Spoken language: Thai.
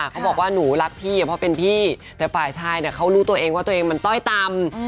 เขาบอกว่าหนูรักพี่เพราะเป็นพี่แต่ฝ่ายชายเขารู้ตัวเองว่าตัวเองมันต้อยต่ำ